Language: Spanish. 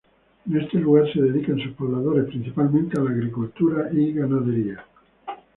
En este lugar se dedican sus pobladores principalmente a la agricultura y ganadería.